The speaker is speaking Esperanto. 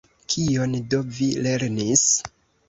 Kion do vi lernis?